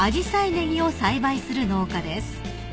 ねぎを栽培する農家です］